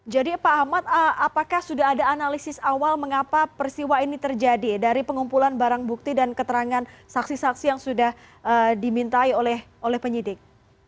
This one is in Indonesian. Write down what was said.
jadi pak ahmad apakah sudah ada analisis awal mengapa persiwa ini terjadi dari pengumpulan barang bukti dan keterangan saksi saksi yang sudah dimintai oleh penyidik